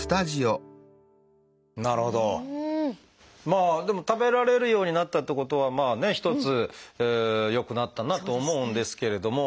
まあでも食べられるようになったってことはまあね一つ良くなったなと思うんですけれども